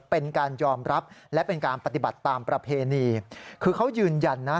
เป็นการยอมรับและเป็นการปฏิบัติตามประเพณีคือเขายืนยันนะ